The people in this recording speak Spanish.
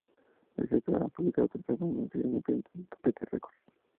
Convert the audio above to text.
El sexteto ha publicado tres álbumes en el sello independiente Tapete Records.